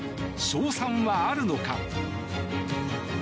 勝算はあるのか？